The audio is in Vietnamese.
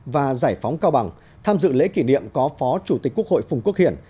và giải phóng cao bằng tham dự lễ kỷ niệm có phó chủ tịch quốc hội phùng quốc hiển